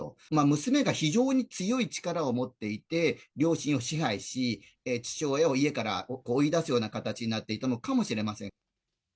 娘が非常に強い力を持っていて、両親を支配し、父親を家から追い出すような形になっていたのかもしれません。